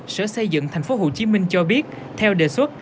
sở xây dựng thành phố hồ chí minh cho biết theo đề xuất